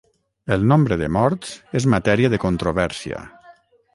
El nombre de morts és matèria de controvèrsia.